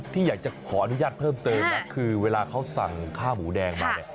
ที่อยากจะขออนุญาตเพิ่มเติมนะคือเวลาเขาสั่งข้าวหมูแดงมาเนี่ย